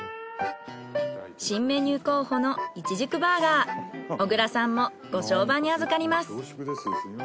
新メニュー候補のイチジクバーガー小倉さんもご相伴に預かります。